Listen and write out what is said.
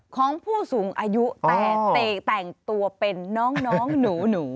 ของผู้สูงอายุแต่เตะแต่งตัวเป็นน้องหนู